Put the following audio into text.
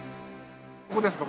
ここですか？